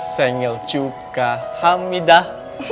sengil cukah hamidah